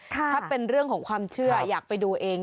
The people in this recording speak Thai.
ถ้าเป็นเรื่องของความเชื่ออยากไปดูเอง